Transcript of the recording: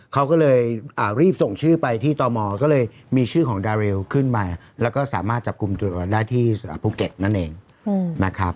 เขาก็เลยรีบส่งชื่อไปที่ตมก็เลยมีชื่อของดาเรลขึ้นมาแล้วก็สามารถจับกลุ่มตัวได้ที่ภูเก็ตนั่นเองนะครับ